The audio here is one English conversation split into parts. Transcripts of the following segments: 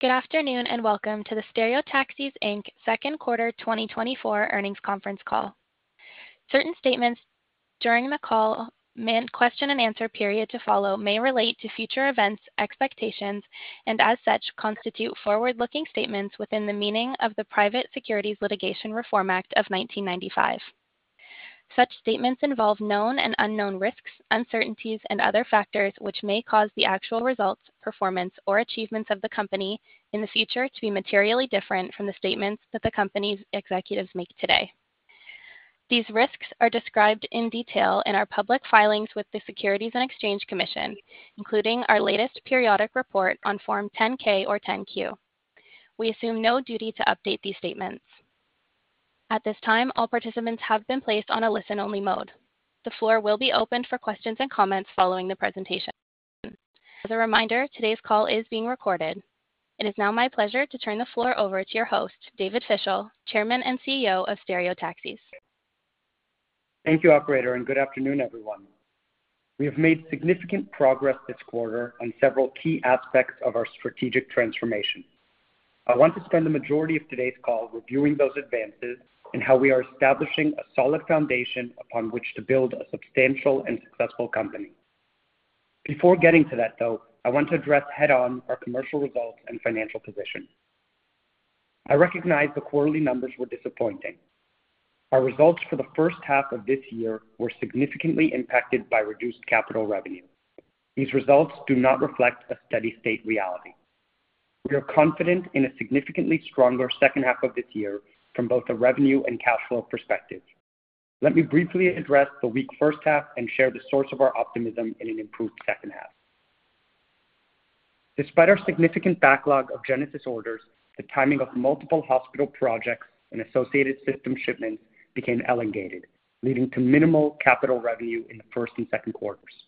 Good afternoon, and welcome to the Stereotaxis Inc. second quarter 2024 earnings conference call. Certain statements during the call and question-and-answer period to follow may relate to future events, expectations, and as such, constitute forward-looking statements within the meaning of the Private Securities Litigation Reform Act of 1995. Such statements involve known and unknown risks, uncertainties, and other factors, which may cause the actual results, performance, or achievements of the company in the future to be materially different from the statements that the company's executives make today. These risks are described in detail in our public filings with the Securities and Exchange Commission, including our latest periodic report on Form 10-K or 10-Q. We assume no duty to update these statements. At this time, all participants have been placed on a listen-only mode. The floor will be opened for questions and comments following the presentation. As a reminder, today's call is being recorded. It is now my pleasure to turn the floor over to your host, David Fischel, Chairman and CEO of Stereotaxis. Thank you, operator, and good afternoon, everyone. We have made significant progress this quarter on several key aspects of our strategic transformation. I want to spend the majority of today's call reviewing those advances and how we are establishing a solid foundation upon which to build a substantial and successful company. Before getting to that, though, I want to address head-on our commercial results and financial position. I recognize the quarterly numbers were disappointing. Our results for the first half of this year were significantly impacted by reduced capital revenue. These results do not reflect a steady state reality. We are confident in a significantly stronger second half of this year from both a revenue and cash flow perspective. Let me briefly address the weak first half and share the source of our optimism in an improved second half. Despite our significant backlog of Genesis orders, the timing of multiple hospital projects and associated system shipments became elongated, leading to minimal capital revenue in the first and second quarters.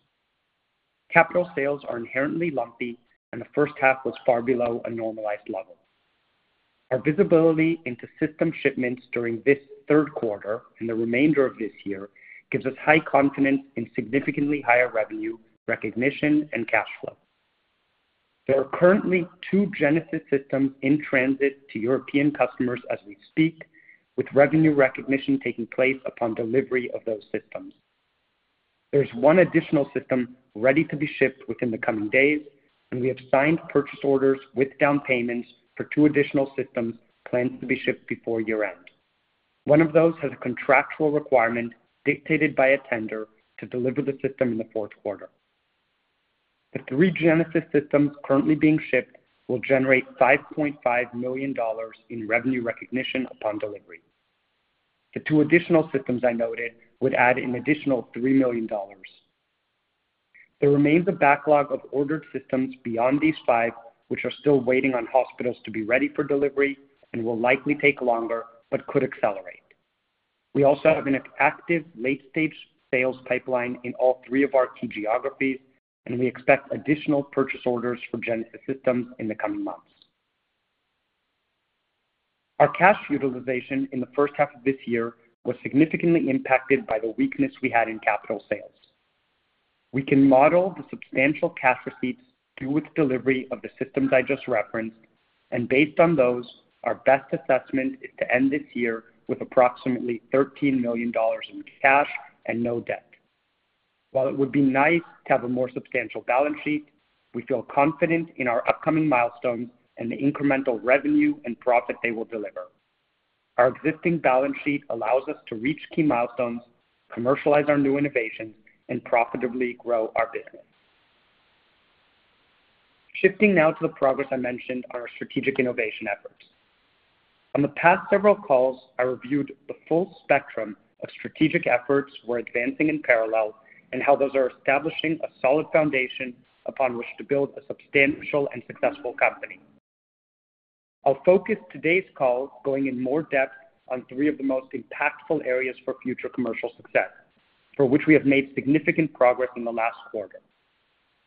Capital sales are inherently lumpy, and the first half was far below a normalized level. Our visibility into system shipments during this third quarter and the remainder of this year gives us high confidence in significantly higher revenue, recognition, and cash flow. There are currently two Genesis systems in transit to European customers as we speak, with revenue recognition taking place upon delivery of those systems. There's one additional system ready to be shipped within the coming days, and we have signed purchase orders with down payments for two additional systems planned to be shipped before year-end. 1 of those has a contractual requirement dictated by a tender to deliver the system in the fourth quarter. The three Genesis systems currently being shipped will generate $5.5 million in revenue recognition upon delivery. The two additional systems I noted would add an additional $3 million. There remains a backlog of ordered systems beyond these five, which are still waiting on hospitals to be ready for delivery and will likely take longer but could accelerate. We also have an active late-stage sales pipeline in all three of our key geographies, and we expect additional purchase orders for Genesis systems in the coming months. Our cash utilization in the first half of this year was significantly impacted by the weakness we had in capital sales. We can model the substantial cash receipts through with delivery of the systems I just referenced, and based on those, our best assessment is to end this year with approximately $13 million in cash and no debt. While it would be nice to have a more substantial balance sheet, we feel confident in our upcoming milestones and the incremental revenue and profit they will deliver. Our existing balance sheet allows us to reach key milestones, commercialize our new innovations, and profitably grow our business. Shifting now to the progress I mentioned on our strategic innovation efforts. On the past several calls, I reviewed the full spectrum of strategic efforts we're advancing in parallel and how those are establishing a solid foundation upon which to build a substantial and successful company. I'll focus today's call going in more depth on three of the most impactful areas for future commercial success, for which we have made significant progress in the last quarter: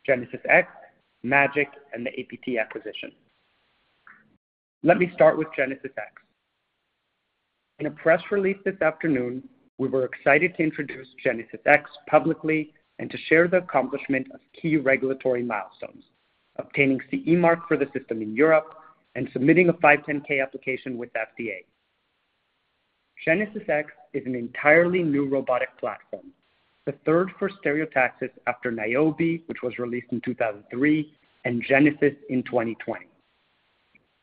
GenesisX, MAGiC, and the APT acquisition. Let me start with GenesisX. In a press release this afternoon, we were excited to introduce GenesisX publicly and to share the accomplishment of key regulatory milestones, obtaining CE Mark for the system in Europe and submitting a 510(k) application with FDA. GenesisX is an entirely new robotic platform, the third for Stereotaxis after Niobe, which was released in 2003, and Genesis in 2020.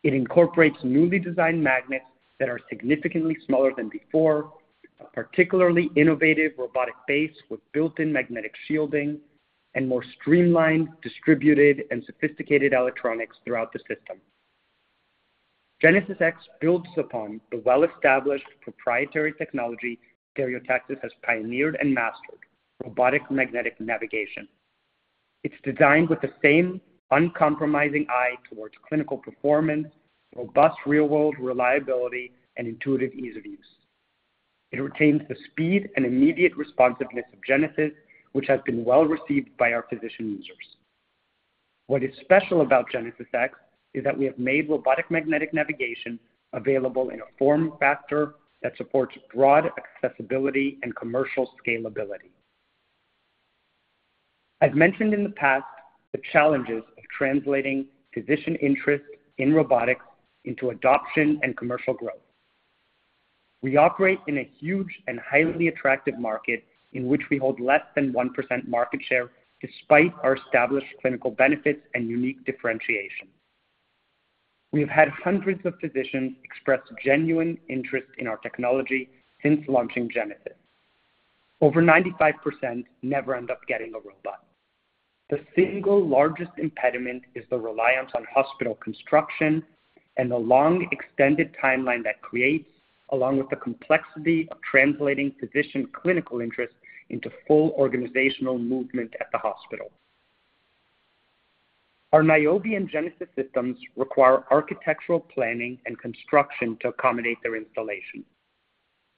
It incorporates newly designed magnets that are significantly smaller than before, a particularly innovative robotic base with built-in magnetic shielding, and more streamlined, distributed, and sophisticated electronics throughout the system. GenesisX builds upon the well-established proprietary technology Stereotaxis has pioneered and mastered: robotic magnetic navigation. It's designed with the same uncompromising eye towards clinical performance, robust real-world reliability, and intuitive ease of use. It retains the speed and immediate responsiveness of Genesis, which has been well-received by our physician users. What is special about GenesisX is that we have made robotic magnetic navigation available in a form factor that supports broad accessibility and commercial scalability. I've mentioned in the past the challenges of translating physician interest in robotics into adoption and commercial growth. We operate in a huge and highly attractive market in which we hold less than 1% market share, despite our established clinical benefits and unique differentiation. We have had hundreds of physicians express genuine interest in our technology since launching Genesis. Over 95% never end up getting a robot. The single largest impediment is the reliance on hospital construction and the long, extended timeline that creates, along with the complexity of translating physician clinical interest into full organizational movement at the hospital. Our Niobe and Genesis systems require architectural planning and construction to accommodate their installation.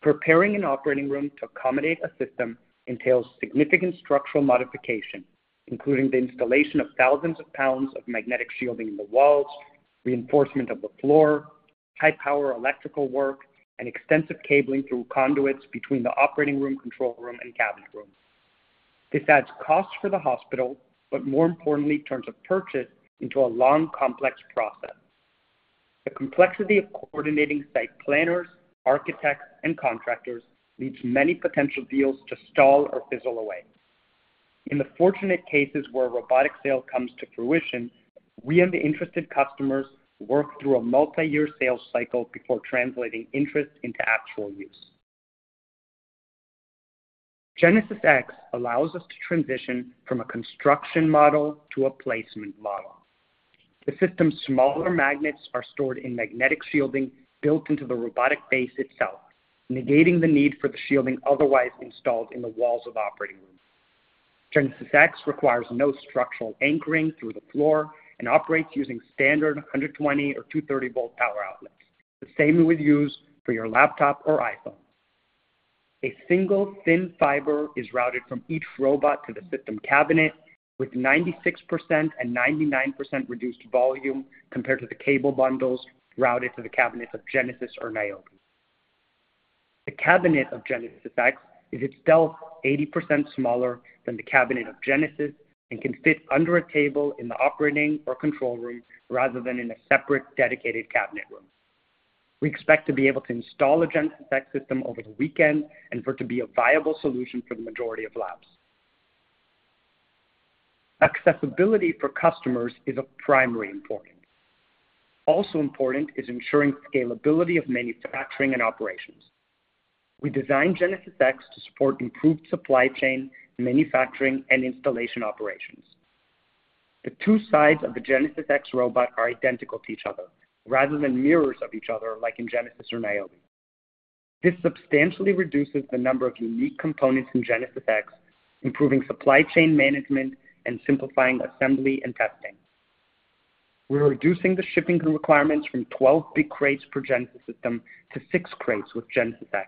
Preparing an operating room to accommodate a system entails significant structural modification, including the installation of thousands of pounds of magnetic shielding in the walls, reinforcement of the floor, high power electrical work, and extensive cabling through conduits between the operating room, control room, and cabinet room. This adds cost for the hospital, but more importantly, turns a purchase into a long, complex process. The complexity of coordinating site planners, architects, and contractors leads many potential deals to stall or fizzle away. In the fortunate cases where a robotic sale comes to fruition, we and the interested customers work through a multi-year sales cycle before translating interest into actual use. GenesisX allows us to transition from a construction model to a placement model. The system's smaller magnets are stored in magnetic shielding built into the robotic base itself, negating the need for the shielding otherwise installed in the walls of operating rooms. GenesisX requires no structural anchoring through the floor and operates using standard 120- or 230-volt power outlets, the same you would use for your laptop or iPhone. A single thin fiber is routed from each robot to the system cabinet, with 96% and 99% reduced volume compared to the cable bundles routed to the cabinets of Genesis or Niobe. The cabinet of GenesisX is itself 80% smaller than the cabinet of Genesis and can fit under a table in the operating or control room, rather than in a separate, dedicated cabinet room. We expect to be able to install a GenesisX system over the weekend and for it to be a viable solution for the majority of labs. Accessibility for customers is of primary importance. Also important is ensuring scalability of manufacturing and operations. We designed GenesisX to support improved supply chain, manufacturing, and installation operations. The two sides of the GenesisX robot are identical to each other, rather than mirrors of each other, like in Genesis or Niobe. This substantially reduces the number of unique components in GenesisX, improving supply chain management and simplifying assembly and testing. We're reducing the shipping requirements from 12 big crates per Genesis system to 6 crates with GenesisX.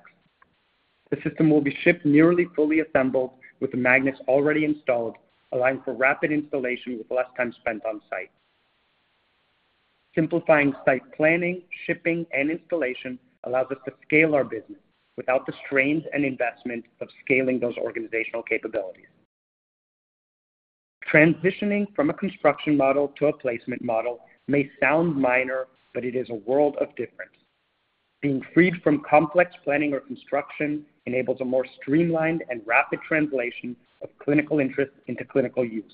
The system will be shipped nearly fully assembled, with the magnets already installed, allowing for rapid installation with less time spent on site. Simplifying site planning, shipping, and installation allows us to scale our business without the strains and investment of scaling those organizational capabilities. Transitioning from a construction model to a placement model may sound minor, but it is a world of difference. Being freed from complex planning or construction enables a more streamlined and rapid translation of clinical interest into clinical use.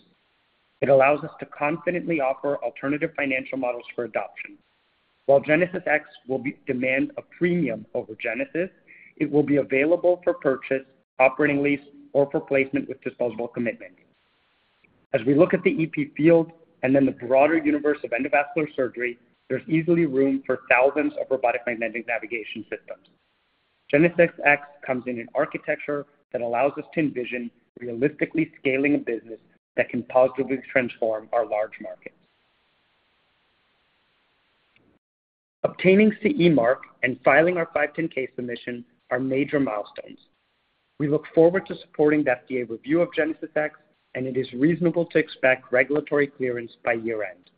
It allows us to confidently offer alternative financial models for adoption. While GenesisX will demand a premium over Genesis, it will be available for purchase, operating lease, or for placement with disposable commitment. As we look at the EP field and then the broader universe of endovascular surgery, there's easily room for thousands of robotic magnetic navigation systems. GenesisX comes in an architecture that allows us to envision realistically scaling a business that can positively transform our large markets. Obtaining CE Mark and filing our 510(k) submission are major milestones. We look forward to supporting the FDA review of GenesisX, and it is reasonable to expect regulatory clearance by year-end.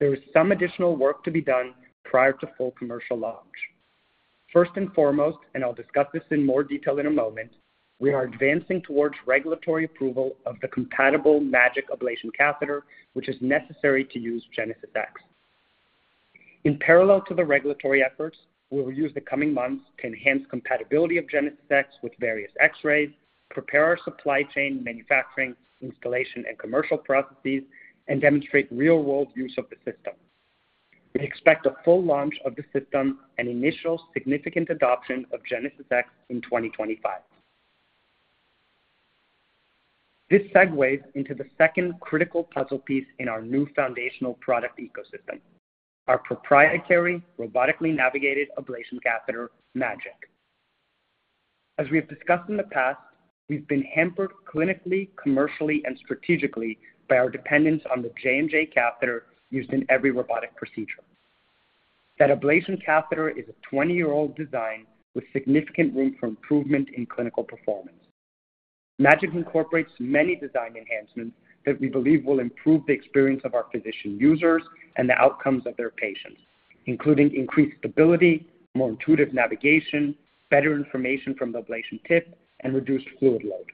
There is some additional work to be done prior to full commercial launch. First and foremost, and I'll discuss this in more detail in a moment, we are advancing towards regulatory approval of the compatible MAGiC ablation catheter, which is necessary to use GenesisX. In parallel to the regulatory efforts, we will use the coming months to enhance compatibility of GenesisX with various X-rays, prepare our supply chain, manufacturing, installation, and commercial processes, and demonstrate real-world use of the system. We expect a full launch of the system and initial significant adoption of GenesisX in 2025. This segues into the second critical puzzle piece in our new foundational product ecosystem, our proprietary robotically navigated ablation catheter, MAGiC. As we have discussed in the past, we've been hampered clinically, commercially, and strategically by our dependence on the J&J catheter used in every robotic procedure. That ablation catheter is a 20-year-old design with significant room for improvement in clinical performance. MAGiC incorporates many design enhancements that we believe will improve the experience of our physician users and the outcomes of their patients, including increased stability, more intuitive navigation, better information from the ablation tip, and reduced fluid load.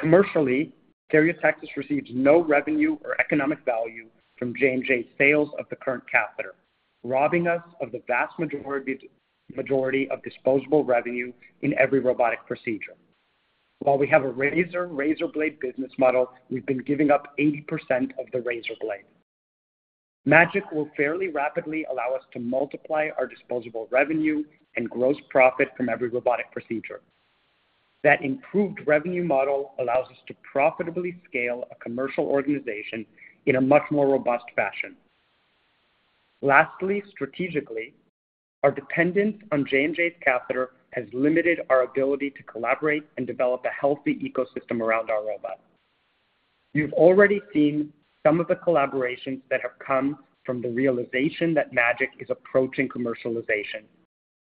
Commercially, Stereotaxis receives no revenue or economic value from J&J's sales of the current catheter, robbing us of the vast majority of disposable revenue in every robotic procedure. While we have a razor-blade business model, we've been giving up 80% of the razor blade. MAGiC will fairly rapidly allow us to multiply our disposable revenue and gross profit from every robotic procedure. That improved revenue model allows us to profitably scale a commercial organization in a much more robust fashion. Lastly, strategically, our dependence on J&J's catheter has limited our ability to collaborate and develop a healthy ecosystem around our robot. You've already seen some of the collaborations that have come from the realization that MAGiC is approaching commercialization,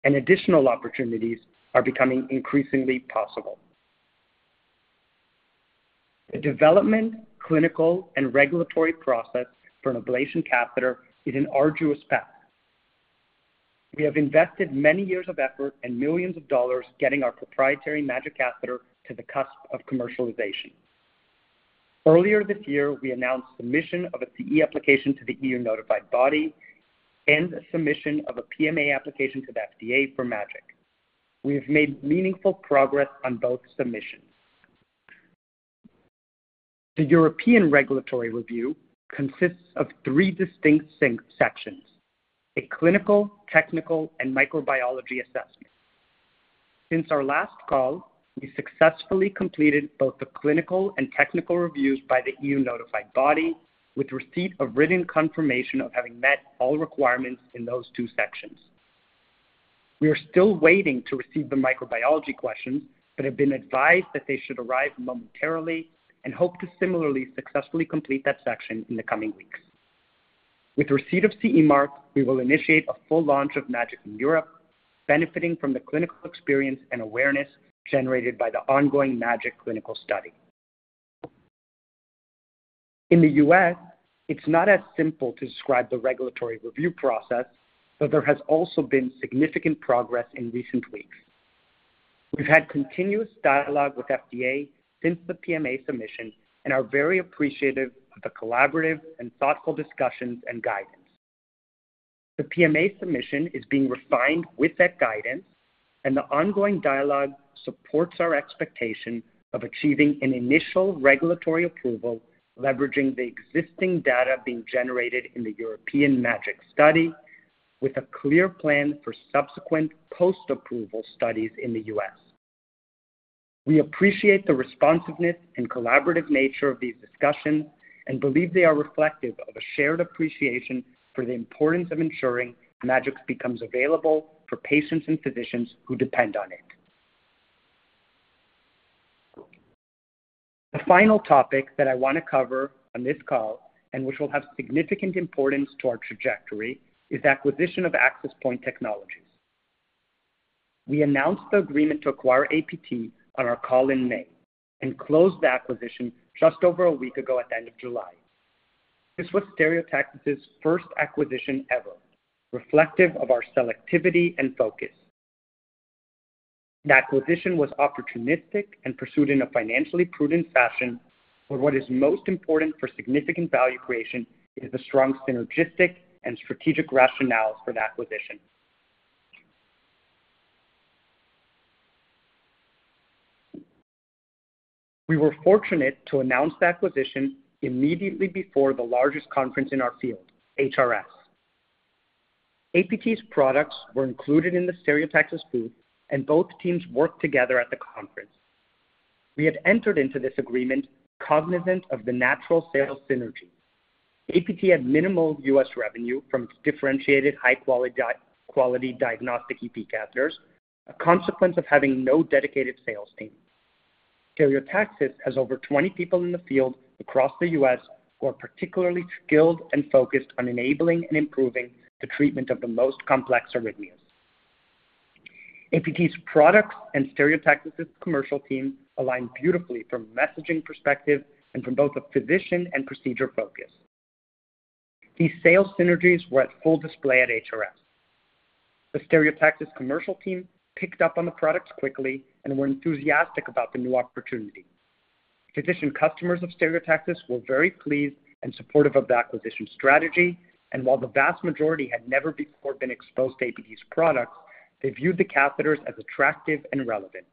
and additional opportunities are becoming increasingly possible. The development, clinical, and regulatory process for an ablation catheter is an arduous path. We have invested many years of effort and $ millions getting our proprietary MAGiC catheter to the cusp of commercialization. Earlier this year, we announced submission of a CE application to the EU Notified Body and a submission of a PMA application to the FDA for MAGiC. We have made meaningful progress on both submissions. The European regulatory review consists of three distinct sections: a clinical, technical, and microbiology assessment. Since our last call, we successfully completed both the clinical and technical reviews by the EU Notified Body, with receipt of written confirmation of having met all requirements in those two sections. We are still waiting to receive the microbiology questions, but have been advised that they should arrive momentarily, and hope to similarly successfully complete that section in the coming weeks. With receipt of CE Mark, we will initiate a full launch of MAGiC in Europe, benefiting from the clinical experience and awareness generated by the ongoing MAGiC clinical study. In the U.S., it's not as simple to describe the regulatory review process, but there has also been significant progress in recent weeks. We've had continuous dialogue with FDA since the PMA submission and are very appreciative of the collaborative and thoughtful discussions and guidance. The PMA submission is being refined with that guidance, and the ongoing dialogue supports our expectation of achieving an initial regulatory approval, leveraging the existing data being generated in the European MAGiC study, with a clear plan for subsequent post-approval studies in the U.S. We appreciate the responsiveness and collaborative nature of these discussions and believe they are reflective of a shared appreciation for the importance of ensuring MAGiC becomes available for patients and physicians who depend on it. The final topic that I want to cover on this call, and which will have significant importance to our trajectory, is acquisition of Access Point Technologies. We announced the agreement to acquire APT on our call in May and closed the acquisition just over a week ago at the end of July. This was Stereotaxis' first acquisition ever, reflective of our selectivity and focus. The acquisition was opportunistic and pursued in a financially prudent fashion, but what is most important for significant value creation is the strong synergistic and strategic rationale for the acquisition. We were fortunate to announce the acquisition immediately before the largest conference in our field, HRS. APT's products were included in the Stereotaxis booth, and both teams worked together at the conference. We had entered into this agreement, cognizant of the natural sales synergy. APT had minimal U.S. revenue from differentiated, high-quality diagnostic EP catheters, a consequence of having no dedicated sales team. Stereotaxis has over 20 people in the field across the U.S. who are particularly skilled and focused on enabling and improving the treatment of the most complex arrhythmias. APT's products and Stereotaxis' commercial team align beautifully from a messaging perspective and from both a physician and procedure focus. These sales synergies were at full display at HRS. The Stereotaxis commercial team picked up on the products quickly and were enthusiastic about the new opportunity. Physician customers of Stereotaxis were very pleased and supportive of the acquisition strategy, and while the vast majority had never before been exposed to APT's products, they viewed the catheters as attractive and relevant.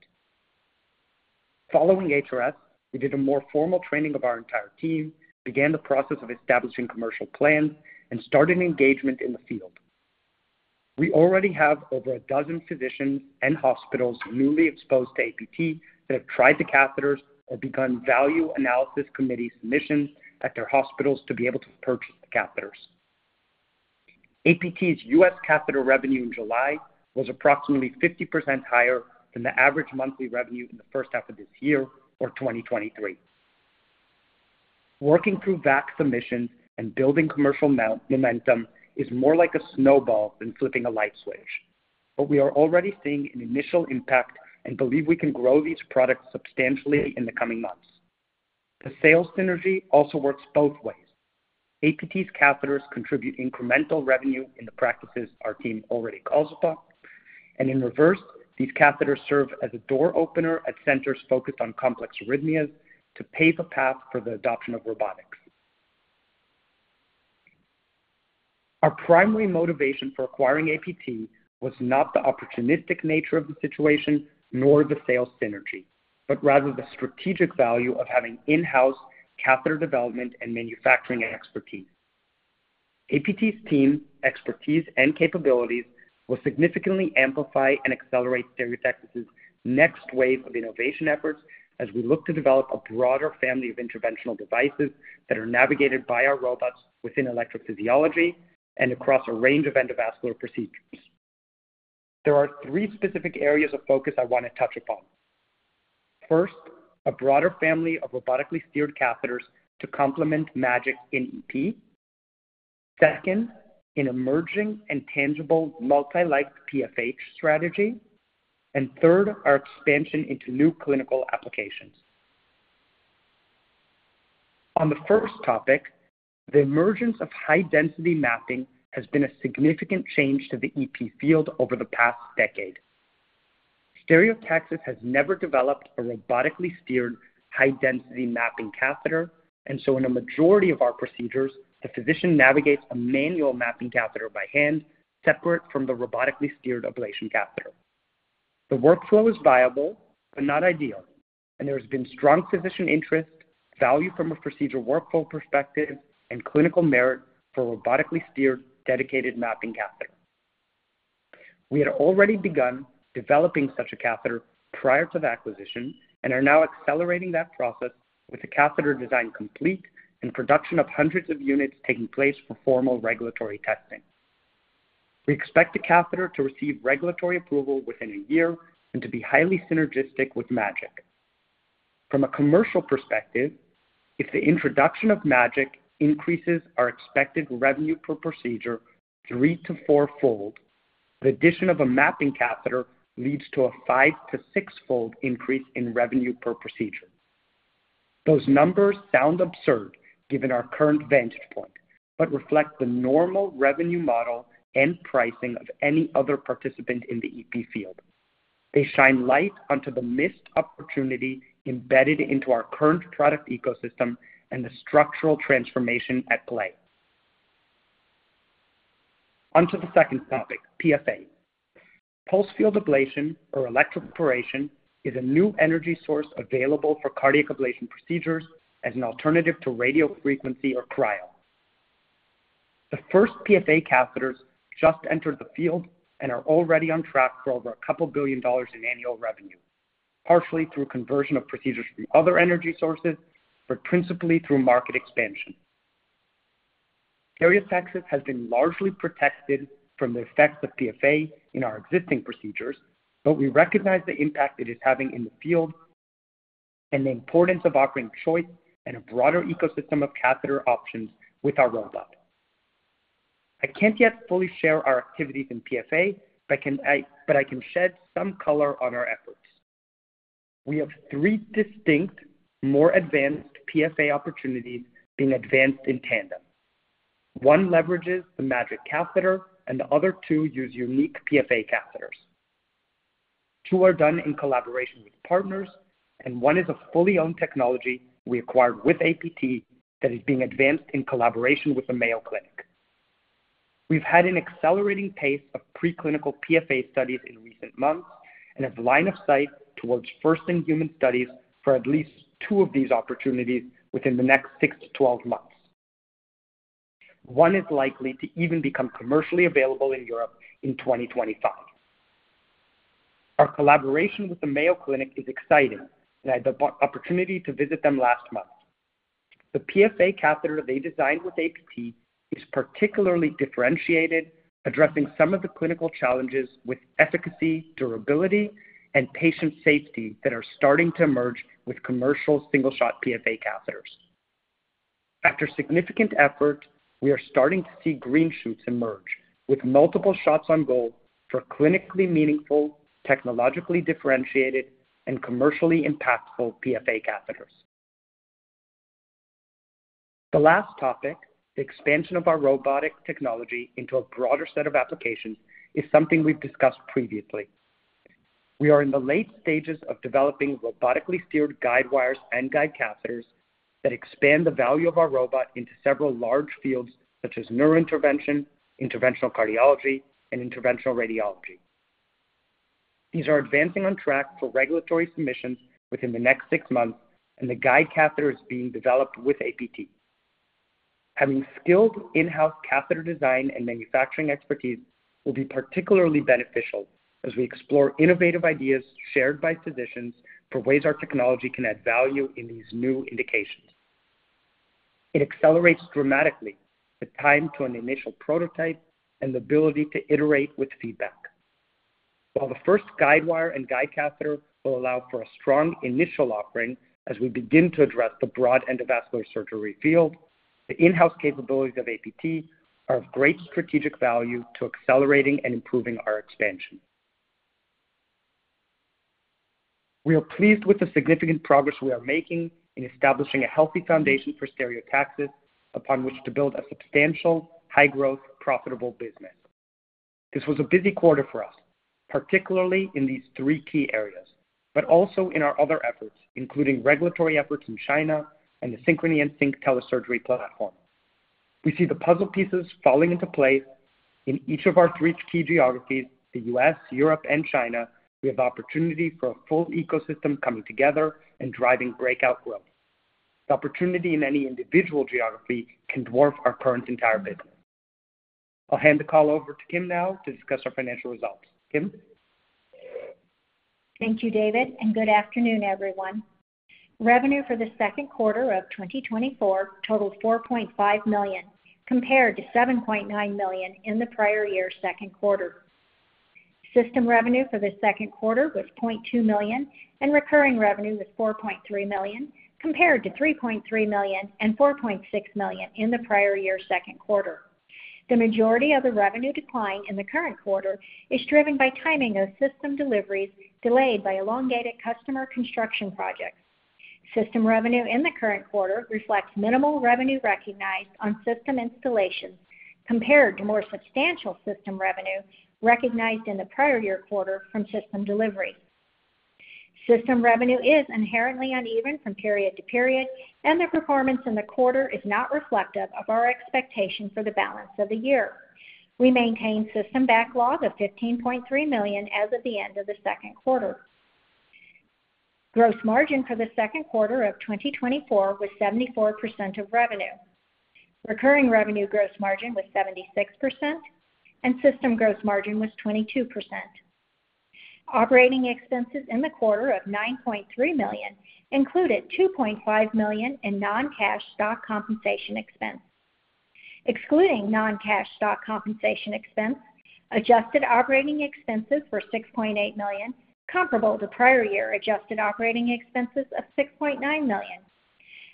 Following HRS, we did a more formal training of our entire team, began the process of establishing commercial plans, and started engagement in the field. We already have over a dozen physicians and hospitals newly exposed to APT that have tried the catheters or begun value analysis committee submissions at their hospitals to be able to purchase the catheters. APT's U.S. catheter revenue in July was approximately 50% higher than the average monthly revenue in the first half of this year or 2023. Working through VAC submissions and building commercial momentum is more like a snowball than flipping a light switch, but we are already seeing an initial impact and believe we can grow these products substantially in the coming months. The sales synergy also works both ways. APT's catheters contribute incremental revenue in the practices our team already calls upon, and in reverse, these catheters serve as a door opener at centers focused on complex arrhythmias to pave a path for the adoption of robotics. Our primary motivation for acquiring APT was not the opportunistic nature of the situation, nor the sales synergy, but rather the strategic value of having in-house catheter development and manufacturing expertise. APT's team, expertise, and capabilities will significantly amplify and accelerate Stereotaxis' next wave of innovation efforts as we look to develop a broader family of interventional devices that are navigated by our robots within electrophysiology and across a range of endovascular procedures. There are three specific areas of focus I want to touch upon. First, a broader family of robotically steered catheters to complement MAGiC in EP. Second, an emerging and tangible multi-like PFA strategy. And third, our expansion into new clinical applications. On the first topic, the emergence of high density mapping has been a significant change to the EP field over the past decade. Stereotaxis has never developed a robotically steered high-density mapping catheter, and so in a majority of our procedures, the physician navigates a manual mapping catheter by hand, separate from the robotically steered ablation catheter. The workflow is viable but not ideal, and there has been strong physician interest, value from a procedural workflow perspective, and clinical merit for a robotically steered, dedicated mapping catheter. We had already begun developing such a catheter prior to the acquisition and are now accelerating that process with the catheter design complete and production of hundreds of units taking place for formal regulatory testing. We expect the catheter to receive regulatory approval within a year and to be highly synergistic with MAGiC. From a commercial perspective, if the introduction of MAGiC increases our expected revenue per procedure 3- to 4-fold, the addition of a mapping catheter leads to a 5- to 6-fold increase in revenue per procedure. Those numbers sound absurd given our current vantage point, but reflect the normal revenue model and pricing of any other participant in the EP field. They shine light onto the missed opportunity embedded into our current product ecosystem and the structural transformation at play. On to the second topic, PFA. Pulsed Field Ablation, or electroporation, is a new energy source available for cardiac ablation procedures as an alternative to radiofrequency or cryo. The first PFA catheters just entered the field and are already on track for over $2 billion in annual revenue, partially through conversion of procedures from other energy sources, but principally through market expansion. Stereotaxis has been largely protected from the effects of PFA in our existing procedures, but we recognize the impact it is having in the field and the importance of offering choice and a broader ecosystem of catheter options with our robot. I can't yet fully share our activities in PFA, but I can shed some color on our efforts. We have 3 distinct, more advanced PFA opportunities being advanced in tandem. One leverages the MAGiC catheter, and the other 2 use unique PFA catheters. Two are done in collaboration with partners, and one is a fully owned technology we acquired with APT that is being advanced in collaboration with the Mayo Clinic. We've had an accelerating pace of preclinical PFA studies in recent months and have line of sight towards first-in-human studies for at least 2 of these opportunities within the next 6-12 months. One is likely to even become commercially available in Europe in 2025. Our collaboration with the Mayo Clinic is exciting, and I had the opportunity to visit them last month. The PFA catheter they designed with APT is particularly differentiated, addressing some of the clinical challenges with efficacy, durability, and patient safety that are starting to emerge with commercial single-shot PFA catheters. After significant effort, we are starting to see green shoots emerge, with multiple shots on goal for clinically meaningful, technologically differentiated, and commercially impactful PFA catheters. The last topic, the expansion of our robotic technology into a broader set of applications, is something we've discussed previously. We are in the late stages of developing robotically steered guide wires and guide catheters that expand the value of our robot into several large fields such as neurointervention, interventional cardiology, and interventional radiology. These are advancing on track for regulatory submissions within the next six months, and the guide catheter is being developed with APT. Having skilled in-house catheter design and manufacturing expertise will be particularly beneficial as we explore innovative ideas shared by physicians for ways our technology can add value in these new indications. It accelerates dramatically the time to an initial prototype and the ability to iterate with feedback. While the first guide wire and guide catheter will allow for a strong initial offering as we begin to address the broad endovascular surgery field, the in-house capabilities of APT are of great strategic value to accelerating and improving our expansion. We are pleased with the significant progress we are making in establishing a healthy foundation for Stereotaxis, upon which to build a substantial, high-growth, profitable business. This was a busy quarter for us, particularly in these three key areas, but also in our other efforts, including regulatory efforts in China and the Synchrony and Sync telesurgery platform. We see the puzzle pieces falling into place in each of our three key geographies, the U.S., Europe, and China. We have opportunity for a full ecosystem coming together and driving breakout growth. The opportunity in any individual geography can dwarf our current entire business. I'll hand the call over to Kim now to discuss our financial results. Kim? Thank you, David, and good afternoon, everyone. Revenue for the second quarter of 2024 totaled $4.5 million, compared to $7.9 million in the prior year's second quarter. System revenue for the second quarter was $0.2 million, and recurring revenue was $4.3 million, compared to $3.3 million and $4.6 million in the prior year's second quarter. The majority of the revenue decline in the current quarter is driven by timing of system deliveries delayed by elongated customer construction projects. System revenue in the current quarter reflects minimal revenue recognized on system installations compared to more substantial system revenue recognized in the prior year quarter from system delivery. System revenue is inherently uneven from period to period, and the performance in the quarter is not reflective of our expectation for the balance of the year. We maintain system backlog of $15.3 million as of the end of the second quarter. Gross margin for the second quarter of 2024 was 74% of revenue. Recurring revenue gross margin was 76%, and system gross margin was 22%. Operating expenses in the quarter of $9.3 million included $2.5 million in non-cash stock compensation expense. Excluding non-cash stock compensation expense, adjusted operating expenses were $6.8 million, comparable to prior year adjusted operating expenses of $6.9 million.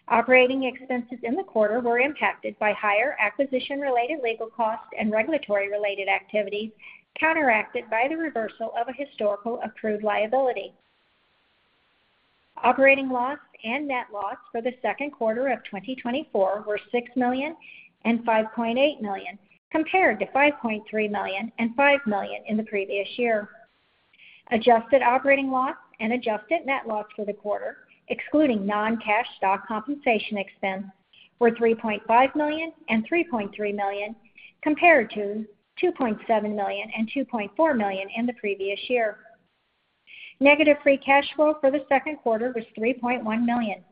Operating expenses in the quarter were impacted by higher acquisition-related legal costs and regulatory-related activities, counteracted by the reversal of a historical approved liability. Operating loss and net loss for the second quarter of 2024 were $6 million and $5.8 million, compared to $5.3 million and $5 million in the previous year. Adjusted operating loss and adjusted net loss for the quarter, excluding non-cash stock compensation expense, were $3.5 million and $3.3 million, compared to $2.7 million and $2.4 million in the previous year. Negative free cash flow for the second quarter was $3.1 million.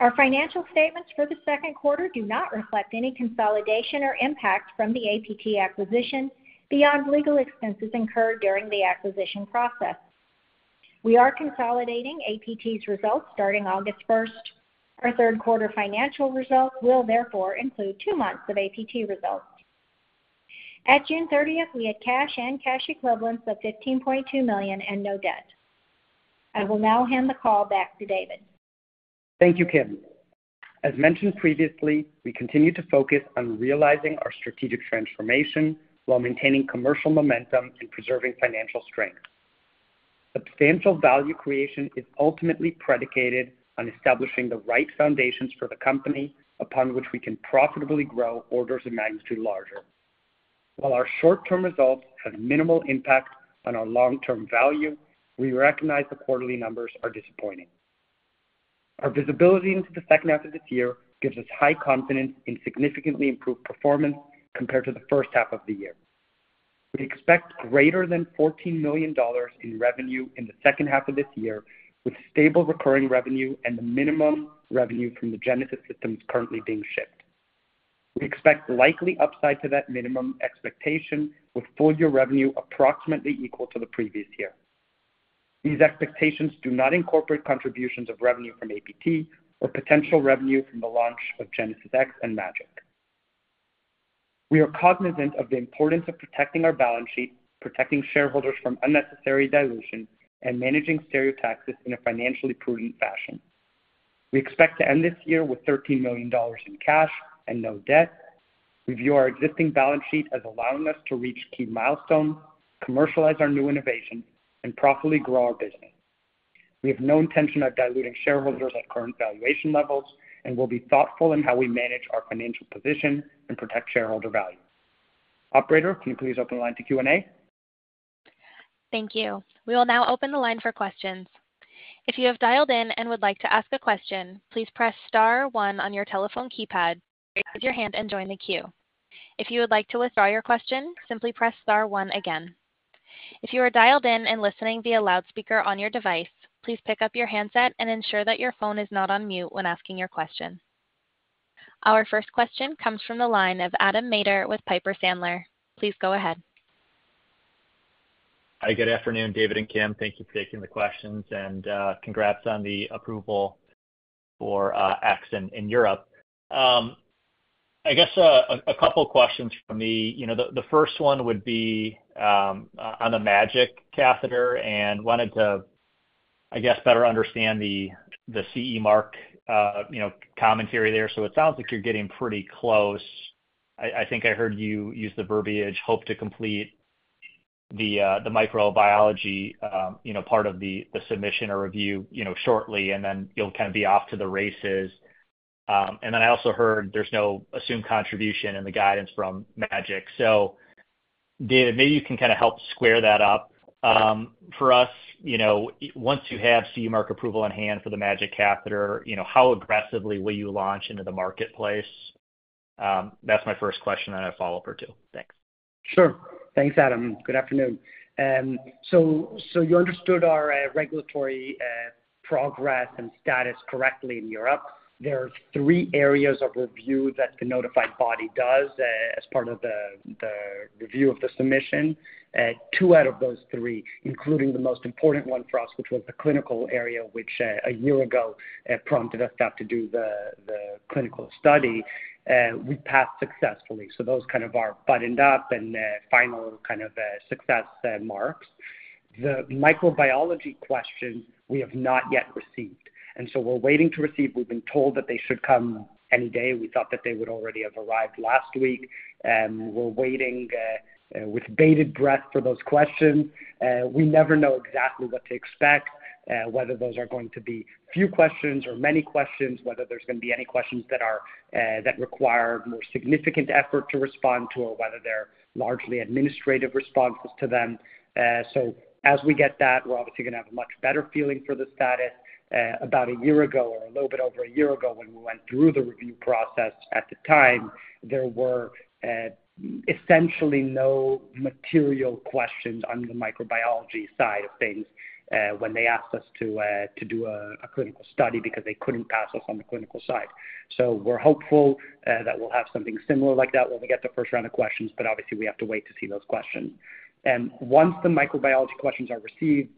Our financial statements for the second quarter do not reflect any consolidation or impact from the APT acquisition beyond legal expenses incurred during the acquisition process. We are consolidating APT's results starting August 1. Our third quarter financial results will therefore include two months of APT results. At June 30, we had cash and cash equivalents of $15.2 million and no debt. I will now hand the call back to David. Thank you, Kim. As mentioned previously, we continue to focus on realizing our strategic transformation while maintaining commercial momentum and preserving financial strength. Substantial value creation is ultimately predicated on establishing the right foundations for the company upon which we can profitably grow orders of magnitude larger. While our short-term results have minimal impact on our long-term value, we recognize the quarterly numbers are disappointing. Our visibility into the second half of this year gives us high confidence in significantly improved performance compared to the first half of the year. We expect greater than $14 million in revenue in the second half of this year, with stable recurring revenue and the minimum revenue from the Genesis systems currently being shipped. We expect likely upside to that minimum expectation, with full-year revenue approximately equal to the previous year. These expectations do not incorporate contributions of revenue from APT or potential revenue from the launch of GenesisX and MAGiC. We are cognizant of the importance of protecting our balance sheet, protecting shareholders from unnecessary dilution, and managing Stereotaxis in a financially prudent fashion. We expect to end this year with $13 million in cash and no debt. We view our existing balance sheet as allowing us to reach key milestones, commercialize our new innovations, and profitably grow our business. We have no intention of diluting shareholders at current valuation levels and will be thoughtful in how we manage our financial position and protect shareholder value. Operator, can you please open the line to Q&A? Thank you. We will now open the line for questions. If you have dialed in and would like to ask a question, please press star one on your telephone keypad, raise your hand and join the queue. If you would like to withdraw your question, simply press star one again. If you are dialed in and listening via loudspeaker on your device, please pick up your handset and ensure that your phone is not on mute when asking your question. Our first question comes from the line of Adam Maeder with Piper Sandler. Please go ahead. Hi, good afternoon, David and Kim. Thank you for taking the questions, and congrats on the approval for GenesisX in Europe. I guess a couple questions from me. You know, the first one would be on the MAGiC catheter and I guess better understand the CE Mark commentary there. So it sounds like you're getting pretty close. I think I heard you use the verbiage, hope to complete the microbiology part of the submission or review shortly, and then you'll kind of be off to the races. And then I also heard there's no assumed contribution in the guidance from MAGiC. So David, maybe you can kind of help square that up. For us, you know, once you have CE Mark approval on hand for the MAGiC catheter, you know, how aggressively will you launch into the marketplace? That's my first question, then I have a follow-up or two. Thanks. Sure. Thanks, Adam. Good afternoon. So you understood our regulatory progress and status correctly in Europe. There are three areas of review that the notified body does as part of the review of the submission. Two out of those three, including the most important one for us, which was the clinical area, which a year ago prompted us to have to do the clinical study, we passed successfully. So those kind of are buttoned up and final kind of success marks. The microbiology questions we have not yet received, and so we're waiting to receive. We've been told that they should come any day. We thought that they would already have arrived last week, and we're waiting with bated breath for those questions. We never know exactly what to expect, whether those are going to be few questions or many questions, whether there's gonna be any questions that are that require more significant effort to respond to, or whether they're largely administrative responses to them. So as we get that, we're obviously gonna have a much better feeling for the status. About a year ago, or a little bit over a year ago, when we went through the review process at the time, there were essentially no material questions on the microbiology side of things, when they asked us to do a clinical study because they couldn't pass us on the clinical side. So we're hopeful that we'll have something similar like that when we get the first round of questions, but obviously, we have to wait to see those questions. And once the microbiology questions are received,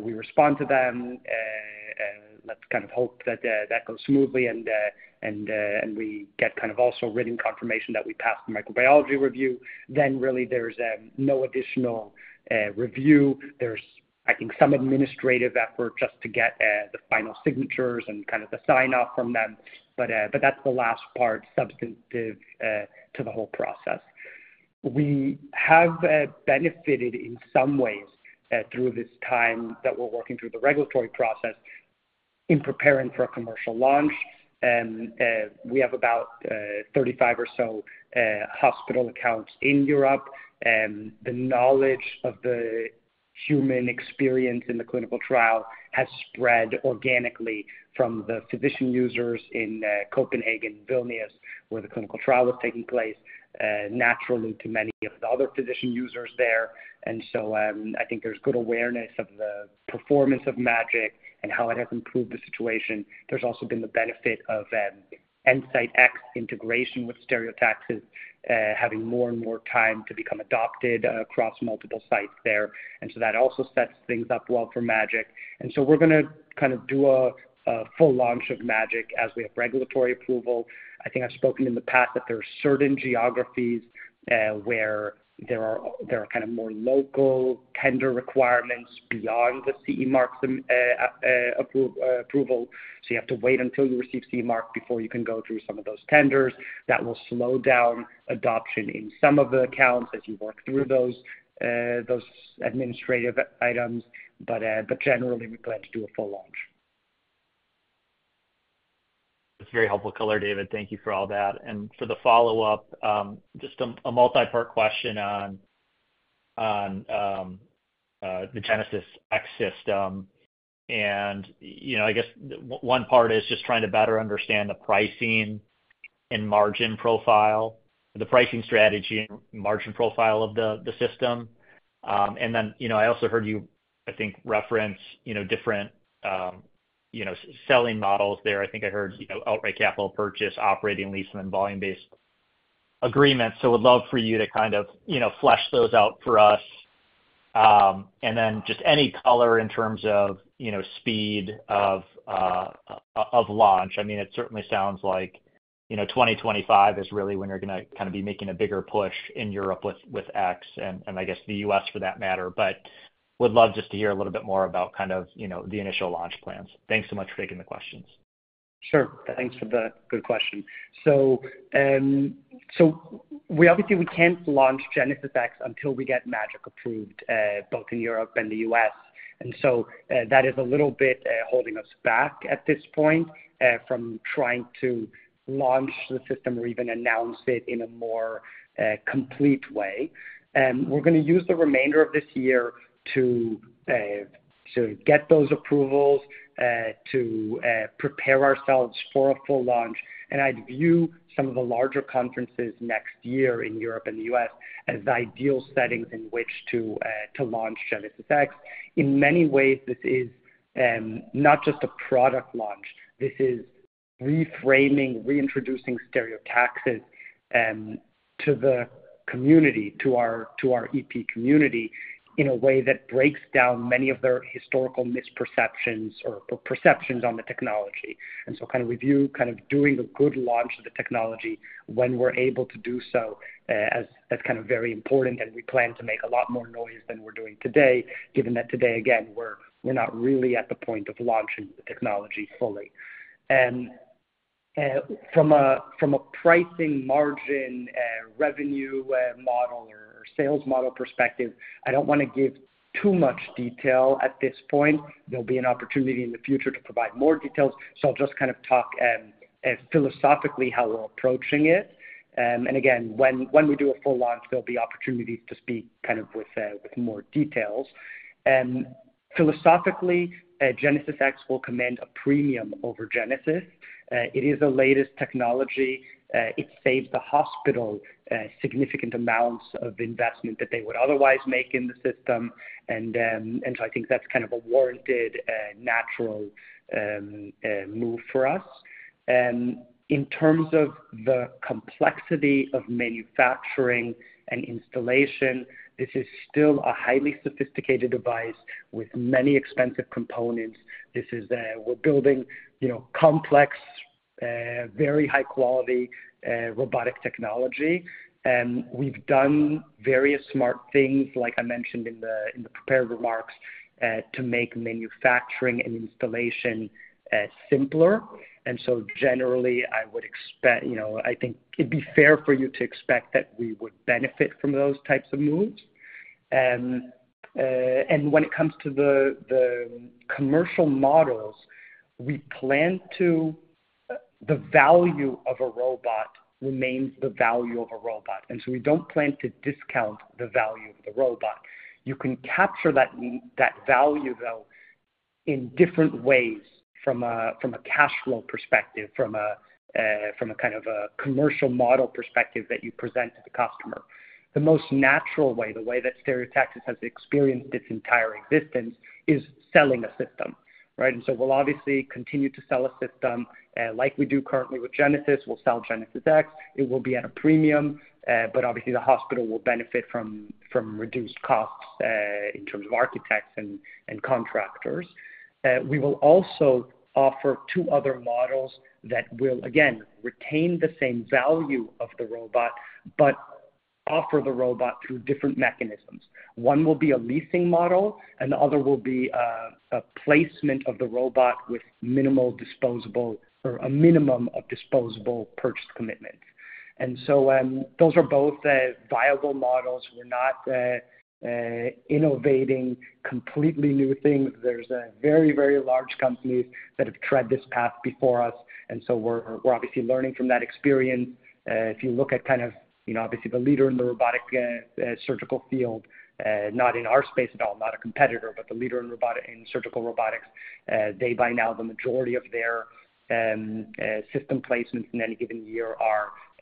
we respond to them, and let's kind of hope that that goes smoothly and we get kind of also written confirmation that we passed the microbiology review, then really there's no additional review. There's, I think, some administrative effort just to get the final signatures and kind of the sign-off from them, but that's the last part substantive to the whole process. We have benefited in some ways through this time that we're working through the regulatory process in preparing for a commercial launch. We have about 35 or so hospital accounts in Europe, and the knowledge of the human experience in the clinical trial has spread organically from the physician users in Copenhagen, Vilnius, where the clinical trial was taking place naturally, to many of the other physician users there. And so I think there's good awareness of the performance of MAGiC and how it has improved the situation. There's also been the benefit of EnSite X integration with Stereotaxis having more and more time to become adopted across multiple sites there. And so that also sets things up well for MAGiC. And so we're gonna kind of do a full launch of MAGiC as we have regulatory approval. I think I've spoken in the past that there are certain geographies where there are kind of more local tender requirements beyond the CE Mark approval. So you have to wait until you receive CE Mark before you can go through some of those tenders. That will slow down adoption in some of the accounts as you work through those administrative items, but generally, we plan to do a full launch. That's very helpful color, David. Thank you for all that. And for the follow-up, just a multipart question on the GenesisX system. And, you know, I guess one part is just trying to better understand the pricing and margin profile, the pricing strategy and margin profile of the system. And then, you know, I also heard you, I think, reference, you know, different, you know, selling models there. I think I heard, you know, outright capital purchase, operating lease, and volume-based agreements. So would love for you to kind of, you know, flesh those out for us. And then just any color in terms of, you know, speed of launch. I mean, it certainly sounds like, you know, 2025 is really when you're gonna kind of be making a bigger push in Europe with, with X, and, and I guess the U.S. for that matter. But would love just to hear a little bit more about kind of, you know, the initial launch plans. Thanks so much for taking the questions. Sure. Thanks for the good question. So, we obviously can't launch GenesisX until we get MAGiC approved, both in Europe and the US. And so, that is a little bit holding us back at this point from trying to launch the system or even announce it in a more complete way. We're gonna use the remainder of this year to get those approvals, to prepare ourselves for a full launch. And I'd view some of the larger conferences next year in Europe and the US, as ideal settings in which to launch GenesisX. In many ways, this is not just a product launch. This is reframing, reintroducing Stereotaxis to the community, to our, to our EP community in a way that breaks down many of their historical misperceptions or perceptions on the technology. And so kind of we view kind of doing a good launch of the technology when we're able to do so, as that's kind of very important, and we plan to make a lot more noise than we're doing today, given that today, again, we're, we're not really at the point of launching the technology fully. From a, from a pricing margin, revenue, model or sales model perspective, I don't wanna give too much detail at this point. There'll be an opportunity in the future to provide more details, so I'll just kind of talk philosophically how we're approaching it. And again, when we do a full launch, there'll be opportunities to speak kind of with more details. And philosophically, GenesisX will command a premium over Genesis. It is the latest technology. It saves the hospital significant amounts of investment that they would otherwise make in the system. And so I think that's kind of a warranted natural move for us. In terms of the complexity of manufacturing and installation, this is still a highly sophisticated device with many expensive components. This is, we're building, you know, complex very high quality robotic technology. And we've done various smart things, like I mentioned in the prepared remarks, to make manufacturing and installation simpler. And so generally, I would expect, you know, I think it'd be fair for you to expect that we would benefit from those types of moves. And when it comes to the commercial models, we plan to. The value of a robot remains the value of a robot, and so we don't plan to discount the value of the robot. You can capture that value, though, in different ways, from a cash flow perspective, from a kind of a commercial model perspective that you present to the customer. The most natural way, the way that Stereotaxis has experienced its entire existence, is selling a system, right? And so we'll obviously continue to sell a system, like we do currently with Genesis. We'll sell GenesisX. It will be at a premium, but obviously, the hospital will benefit from reduced costs in terms of architects and contractors. We will also offer two other models that will, again, retain the same value of the robot, but offer the robot through different mechanisms. One will be a leasing model, and the other will be a placement of the robot with minimal disposable, or a minimum of disposable purchased commitments. And so, those are both viable models. We're not innovating completely new things. There's a very, very large companies that have tread this path before us, and so we're obviously learning from that experience. If you look at kind of, you know, obviously the leader in the robotic surgical field, not in our space at all, not a competitor, but the leader in robotic—in surgical robotics, they, by now, the majority of their system placements in any given year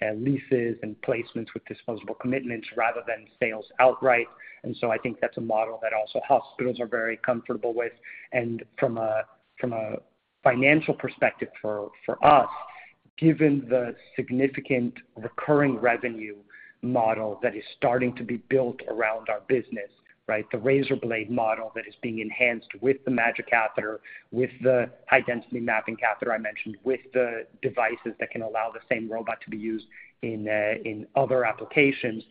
are leases and placements with disposable commitments rather than sales outright. So I think that's a model that also hospitals are very comfortable with. From a financial perspective for us, given the significant recurring revenue model that is starting to be built around our business, right? The razor blade model that is being enhanced with the MAGiC catheter, with the high density mapping catheter I mentioned, with the devices that can allow the same robot to be used in other applications,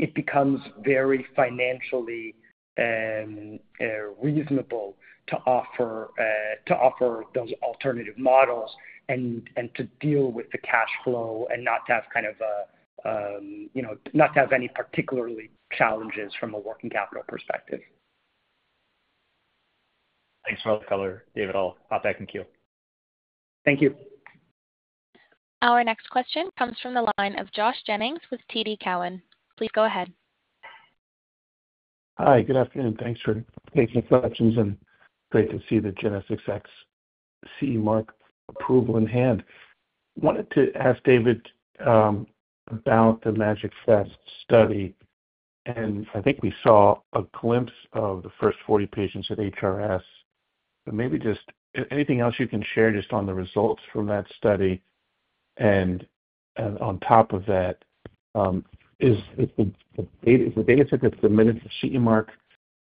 it becomes very financially reasonable to offer those alternative models and to deal with the cash flow and not to have kind of a, you know, not to have any particular challenges from a working capital perspective. Thanks for all the color, David. I'll hop back in queue. Thank you. Our next question comes from the line of Josh Jennings with TD Cowen. Please go ahead. Hi, good afternoon. Thanks for taking the questions, and great to see the GenesisX CE Mark approval in hand. Wanted to ask David, about the MAGiC First study, and I think we saw a glimpse of the first 40 patients at HRS. But maybe anything else you can share just on the results from that study? And on top of that, is, is the data, the data set that's submitted for CE Mark,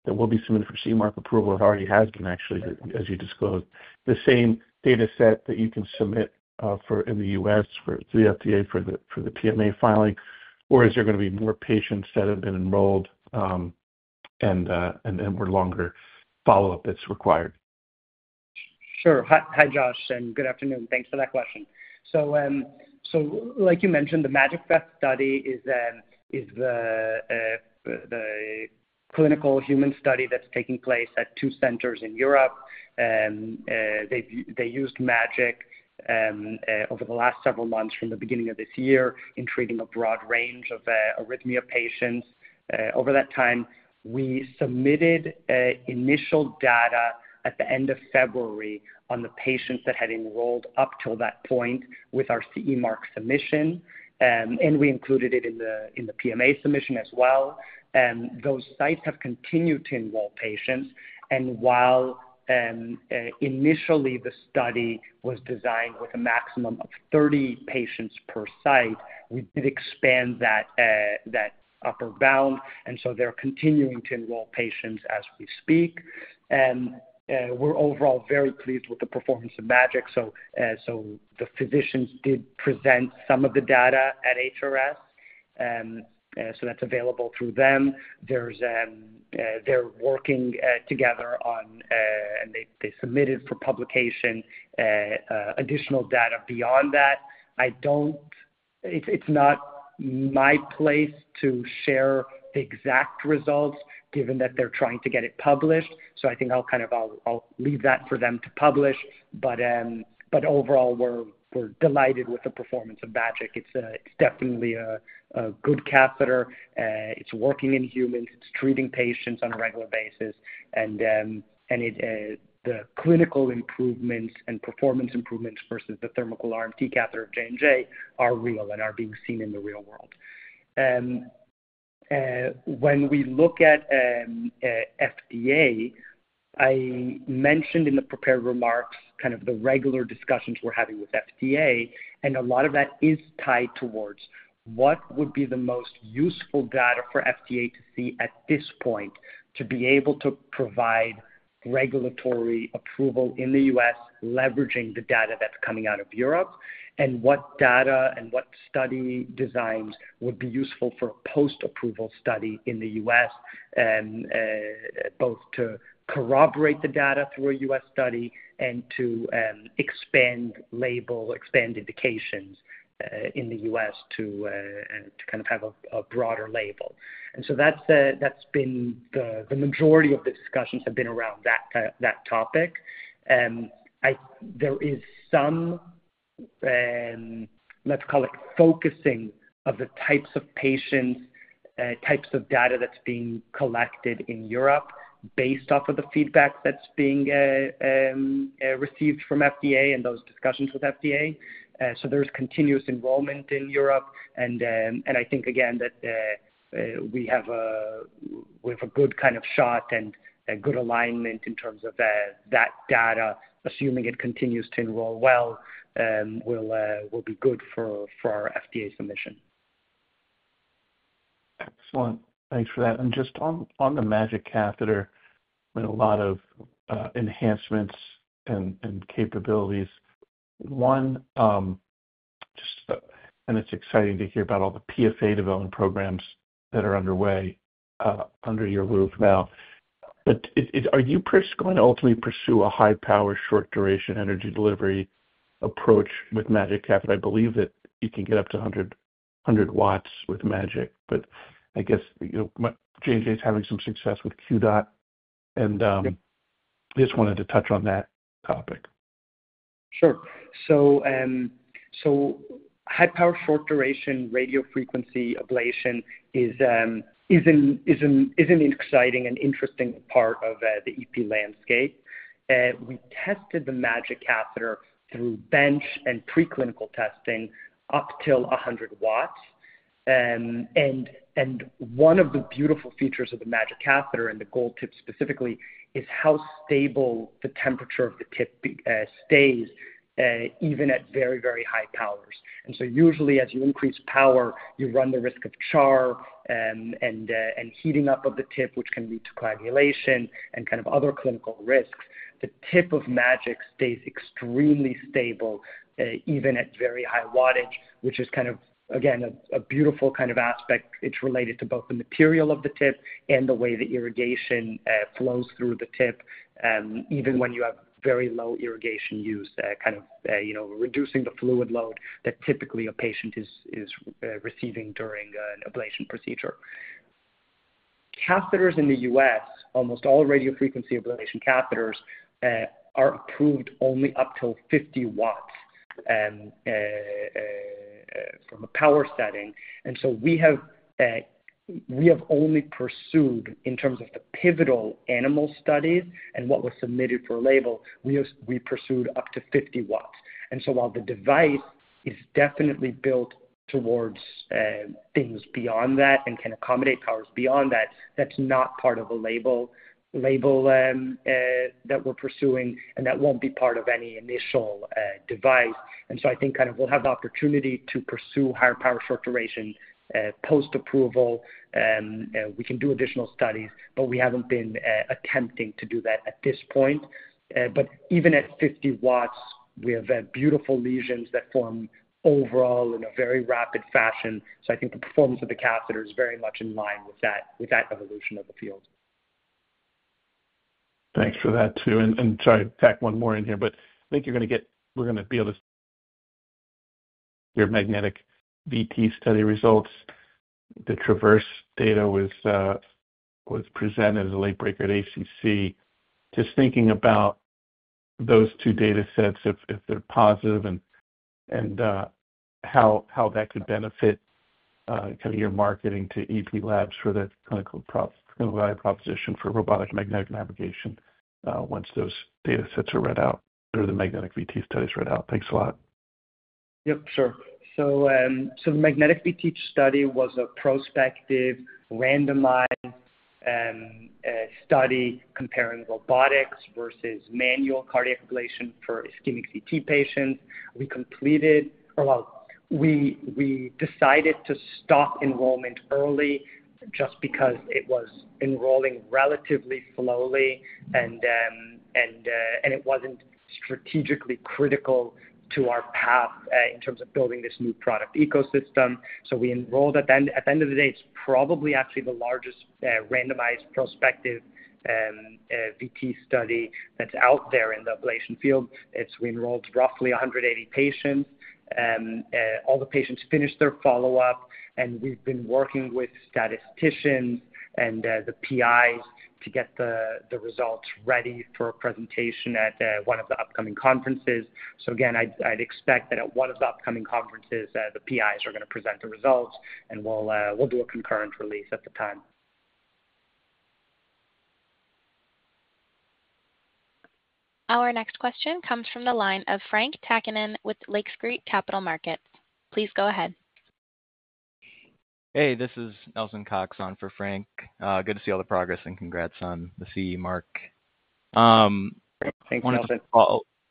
that will be submitted for CE Mark approval, it already has been actually, as you disclosed, the same data set that you can submit, for in the U.S. for the FDA for the, for the PMA filing, or is there gonna be more patients that have been enrolled, and then more longer follow-up that's required? Sure. Hi, hi, Josh, and good afternoon. Thanks for that question. So, like you mentioned, the MAGiC First study is the clinical human study that's taking place at two centers in Europe. They used MAGiC over the last several months, from the beginning of this year, in treating a broad range of arrhythmia patients. Over that time, we submitted initial data at the end of February on the patients that had enrolled up till that point with our CE Mark submission. And we included it in the PMA submission as well. Those sites have continued to enroll patients, and while initially the study was designed with a maximum of 30 patients per site, we did expand that upper bound, and so they're continuing to enroll patients as we speak. We're overall very pleased with the performance of MAGiC. The physicians did present some of the data at HRS. That's available through them. They're working together on, and they submitted for publication additional data beyond that. I don't. It's not my place to share the exact results, given that they're trying to get it published. So I think I'll kind of leave that for them to publish. But overall, we're delighted with the performance of MAGiC. It's definitely a good catheter. It's working in humans, it's treating patients on a regular basis, and, and it, the clinical improvements and performance improvements versus the THERMOCOOL RMT catheter of J&J are real and are being seen in the real world. And, when we look at, FDA, I mentioned in the prepared remarks, kind of the regular discussions we're having with FDA, and a lot of that is tied towards what would be the most useful data for FDA to see at this point, to be able to provide regulatory approval in the US, leveraging the data that's coming out of Europe. And what data and what study designs would be useful for a post-approval study in the U.S., both to corroborate the data through a U.S. study and to expand label, expand indications, in the U.S. to kind of have a broader label. And so that's the... that's been the majority of the discussions have been around that topic. There is some, let's call it, focusing of the types of patients, types of data that's being collected in Europe based off of the feedback that's being received from FDA and those discussions with FDA. So there's continuous enrollment in Europe, and I think again that we have a good kind of shot and a good alignment in terms of that data, assuming it continues to enroll well, will be good for our FDA submission. Excellent. Thanks for that. And just on, on the MAGiC catheter, with a lot of enhancements and, and capabilities. One, just... And it's exciting to hear about all the PFA development programs that are underway under your roof now. But it... Are you press- going to ultimately pursue a high power, short duration energy delivery approach with MAGiC catheter? I believe that you can get up to 100, 100 watts with MAGiC, but I guess, you know, J&J is having some success with QDOT, and just wanted to touch on that topic. Sure. So high power, short duration radiofrequency ablation is an exciting and interesting part of the EP landscape. We tested the MAGiC catheter through bench and preclinical testing up till 100 watts. And one of the beautiful features of the MAGiC catheter, and the gold tip specifically, is how stable the temperature of the tip stays, even at very, very high powers. And so usually as you increase power, you run the risk of char and heating up of the tip, which can lead to coagulation and kind of other clinical risks. The tip of MAGiC stays extremely stable, even at very high wattage, which is kind of, again, a beautiful kind of aspect. It's related to both the material of the tip and the way the irrigation flows through the tip, even when you have very low irrigation use, kind of, you know, reducing the fluid load that typically a patient is receiving during an ablation procedure. Catheters in the U.S., almost all radiofrequency ablation catheters, are approved only up till 50 watts from a power setting. And so we have only pursued, in terms of the pivotal animal studies and what was submitted for a label, we pursued up to 50 watts. And so while the device is definitely built towards things beyond that and can accommodate powers beyond that, that's not part of the label that we're pursuing, and that won't be part of any initial device. I think kind of we'll have the opportunity to pursue higher power short duration post-approval. We can do additional studies, but we haven't been attempting to do that at this point. But even at 50 watts, we have beautiful lesions that form overall in a very rapid fashion. So I think the performance of the catheter is very much in line with that, with that evolution of the field. Thanks for that, too. And sorry, tack one more in here, but I think you're gonna get- we're gonna be able to- your MAGNETIC VT study results. The TRAVERSE data was presented as a late breaker at ACC. Just thinking about those two data sets, if they're positive and how that could benefit kind of your marketing to EP labs for the clinical value proposition for robotic magnetic navigation once those data sets are read out or the MAGNETIC VT studies read out. Thanks a lot. Yep, sure. So the MAGNETIC VT study was a prospective, randomized, study comparing robotics versus manual cardiac ablation for ischemic VT patients. We completed. Well, we decided to stop enrollment early just because it was enrolling relatively slowly and it wasn't strategically critical to our path in terms of building this new product ecosystem. So we enrolled, at the end, at the end of the day, it's probably actually the largest, randomized prospective, VT study that's out there in the ablation field. It's we enrolled roughly 180 patients, and all the patients finished their follow-up, and we've been working with statisticians and the PIs to get the results ready for a presentation at one of the upcoming conferences. So again, I'd, I'd expect that at one of the upcoming conferences, the PIs are gonna present the results, and we'll, we'll do a concurrent release at the time. Our next question comes from the line of Frank Takkinen with Lake Street Capital Markets. Please go ahead. Hey, this is Nelson Cox on for Frank. Good to see all the progress, and congrats on the CE Mark. Thanks, Nelson.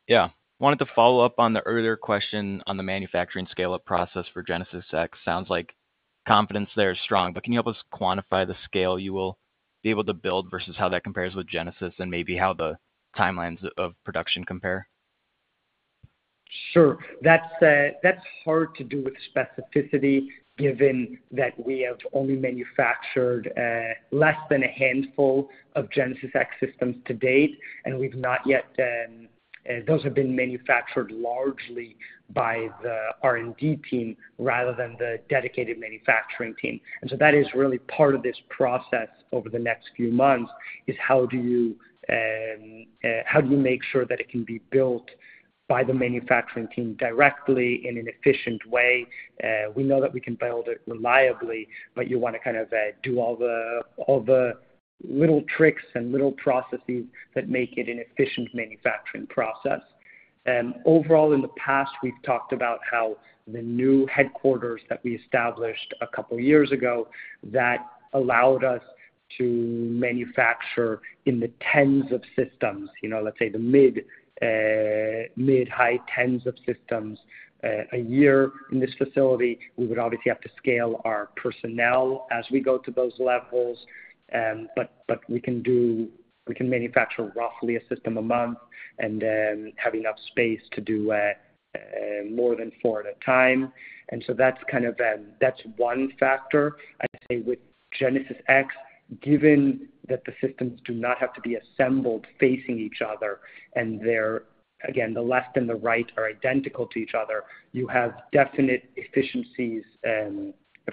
Yeah. Wanted to follow up on the earlier question on the manufacturing scale-up process for GenesisX. Sounds like confidence there is strong, but can you help us quantify the scale you will be able to build versus how that compares with Genesis and maybe how the timelines of production compare? Sure. That's hard to do with specificity, given that we have only manufactured less than a handful of GenesisX systems to date, and we've not yet... Those have been manufactured largely by the R&D team rather than the dedicated manufacturing team. And so that is really part of this process over the next few months, is how do you make sure that it can be built by the manufacturing team directly in an efficient way? We know that we can build it reliably, but you wanna kind of do all the little tricks and little processes that make it an efficient manufacturing process. Overall, in the past, we've talked about how the new headquarters that we established a couple of years ago that allowed us to manufacture in the tens of systems, you know, let's say the mid, high tens of systems a year in this facility. We would obviously have to scale our personnel as we go to those levels, but we can do. We can manufacture roughly a system a month and have enough space to do more than four at a time. So that's kind of, that's one factor. I'd say with GenesisX, given that the systems do not have to be assembled facing each other, and they're, again, the left and the right are identical to each other, you have definite efficiencies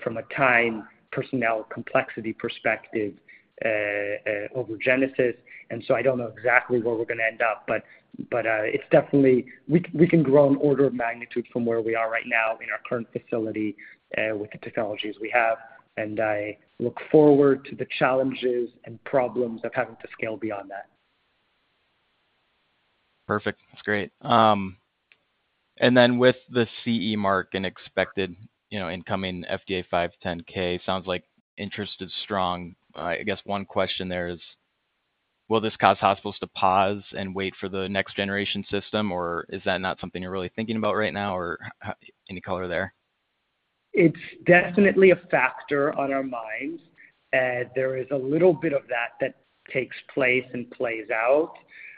from a time, personnel, complexity perspective over Genesis. And so I don't know exactly where we're gonna end up, but it's definitely... We can grow an order of magnitude from where we are right now in our current facility with the technologies we have, and I look forward to the challenges and problems of having to scale beyond that. Perfect. That's great. And then with the CE Mark and expected, you know, incoming FDA 510(k), sounds like interest is strong. I guess one question there is, will this cause hospitals to pause and wait for the next generation system, or is that not something you're really thinking about right now, or how, any color there? It's definitely a factor on our minds. There is a little bit of that that takes place and plays out.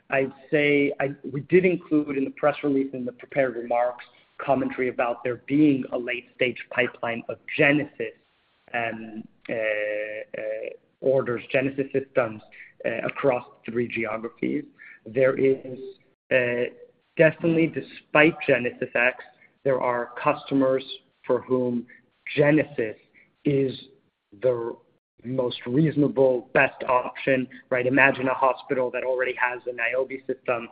I'd say we did include in the press release, in the prepared remarks, commentary about there being a late-stage pipeline of Genesis orders, Genesis systems, across three geographies. There is definitely, despite GenesisX, there are customers for whom Genesis is the most reasonable, best option, right? Imagine a hospital that already has a Niobe system,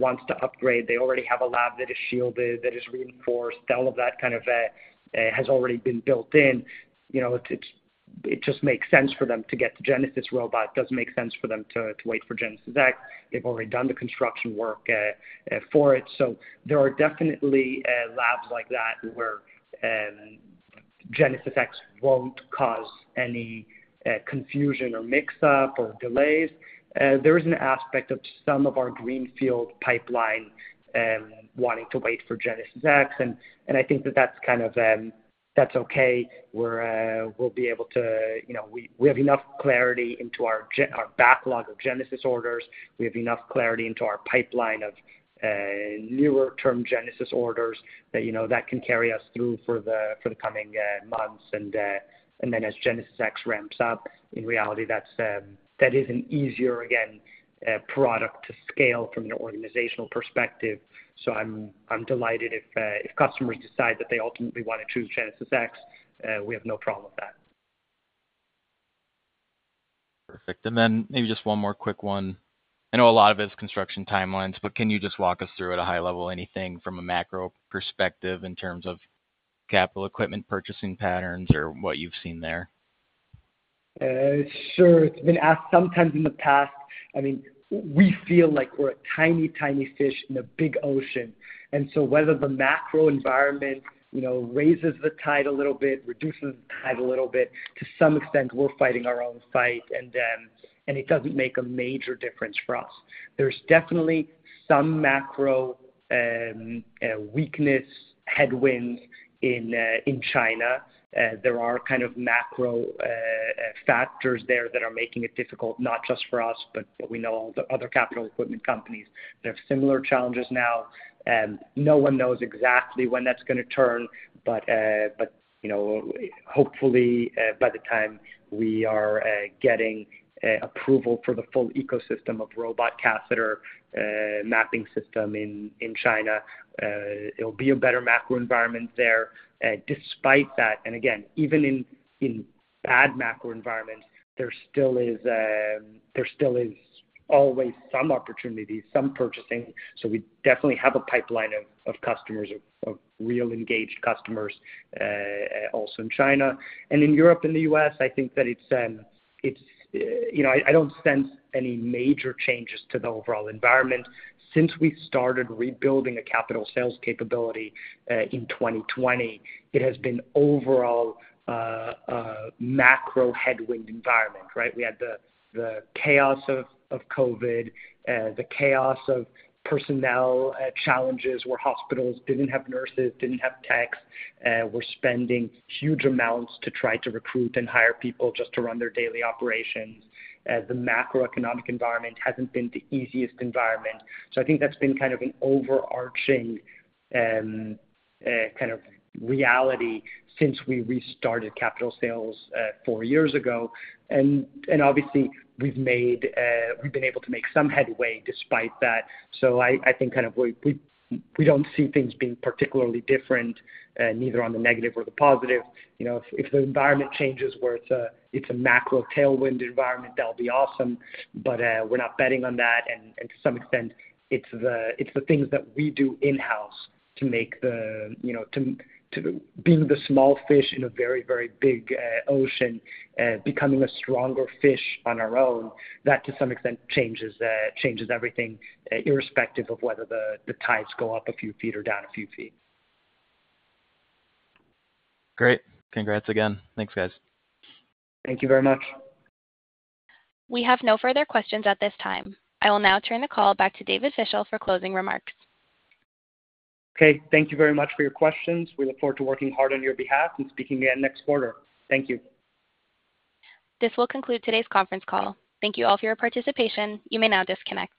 wants to upgrade. They already have a lab that is shielded, that is reinforced. All of that kind of has already been built in. You know, it's, it just makes sense for them to get the Genesis robot. It doesn't make sense for them to wait for GenesisX. They've already done the construction work for it. So there are definitely, labs like that where, GenesisX won't cause any, confusion or mix up or delays. There is an aspect of some of our greenfield pipeline, wanting to wait for GenesisX, and, and I think that that's kind of, that's okay. We're, we'll be able to... You know, we, we have enough clarity into our our backlog of Genesis orders. We have enough clarity into our pipeline of, newer term Genesis orders that, you know, that can carry us through for the, for the coming, months. And, and then as GenesisX ramps up, in reality, that's, that is an easier, again, product to scale from an organizational perspective. So I'm, I'm delighted if, if customers decide that they ultimately want to choose GenesisX, we have no problem with that. Perfect. And then maybe just one more quick one. I know a lot of it's construction timelines, but can you just walk us through at a high level, anything from a macro perspective in terms of capital equipment, purchasing patterns, or what you've seen there? Sure. It's been asked sometimes in the past. I mean, we feel like we're a tiny, tiny fish in a big ocean, and so whether the macro environment, you know, raises the tide a little bit, reduces the tide a little bit, to some extent, we're fighting our own fight, and, and it doesn't make a major difference for us. There's definitely some macro weakness headwinds in, in China. There are kind of macro factors there that are making it difficult, not just for us, but we know all the other capital equipment companies. They have similar challenges now, and no one knows exactly when that's gonna turn, but, but, you know, hopefully, by the time we are getting approval for the full ecosystem of robot catheter, mapping system in, in China, it'll be a better macro environment there. Despite that, and again, even in bad macro environments, there still is always some opportunity, some purchasing. So we definitely have a pipeline of customers of real engaged customers, also in China. And in Europe and the U.S., I think that it's... You know, I don't sense any major changes to the overall environment. Since we started rebuilding a capital sales capability, in 2020, it has been overall, a macro headwind environment, right? We had the chaos of COVID, the chaos of personnel challenges, where hospitals didn't have nurses, didn't have techs, were spending huge amounts to try to recruit and hire people just to run their daily operations. The macroeconomic environment hasn't been the easiest environment. So I think that's been kind of an overarching kind of reality since we restarted capital sales four years ago. And obviously, we've been able to make some headway despite that. So I think kind of we don't see things being particularly different, neither on the negative or the positive. You know, if the environment changes where it's a macro tailwind environment, that'll be awesome, but we're not betting on that. To some extent, it's the things that we do in-house to make the, you know, to being the small fish in a very big ocean becoming a stronger fish on our own, that to some extent changes everything, irrespective of whether the tides go up a few feet or down a few feet. Great. Congrats again. Thanks, guys. Thank you very much. We have no further questions at this time. I will now turn the call back to David Fischel for closing remarks. Okay, thank you very much for your questions. We look forward to working hard on your behalf and speaking again next quarter. Thank you. This will conclude today's conference call. Thank you all for your participation. You may now disconnect.